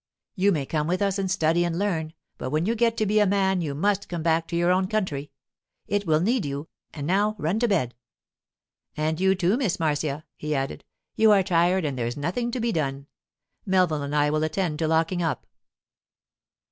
You may come with us and study and learn, but when you get to be a man you must come back to your own country. It will need you—and now run to bed. And you too, Miss Marcia,' he added. 'You are tired and there's nothing to be done. Melville and I will attend to locking up.